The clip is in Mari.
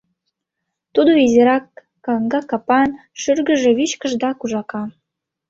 Тудо изирак каҥга капан, шӱргыжӧ вичкыж да кужака.